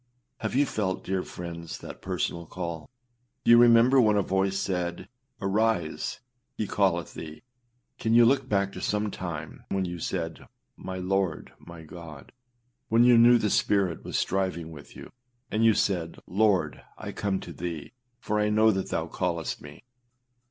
Have you felt, dear friends, that personal call? Do you remember when a voice said, âArise, he calleth thee.â Can you look back to some 321 Spurgeonâs Sermons Vol. II ClassicChristianLibrary.com time when you said, âMy Lord, my God?â when you knew the Spirit was striving with you, and you said, Lord, I come to thee, for I know that thou callest me.